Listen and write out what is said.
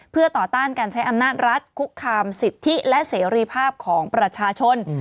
เพื่อต่อต้านการใช้อำนาจรัฐคุกคามสิทธิและเสรีภาพของประชาชน